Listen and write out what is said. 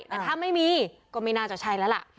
แต่ถ้าไม่มีก็ไม่น่าจะใช่แล้วล่ะ